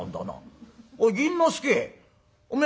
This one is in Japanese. おい銀之助お前